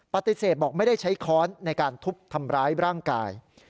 ปฏิเสธบอกไม่ได้ใช้ค้อนในการทุบทำร้ายร่างกาย